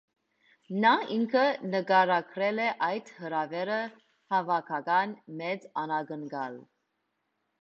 Նա ինքը նկարագրել է այդ հրավերը հավաքական «մեծ անակնկալ»։